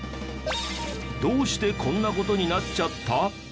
どうしてこんな事になっちゃった？